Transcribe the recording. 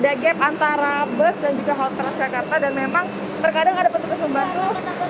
ada gap antara bus dan juga halte transjakarta dan memang terkadang ada petugas membantu